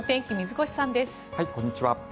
こんにちは。